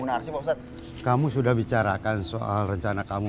namun ku menayangimu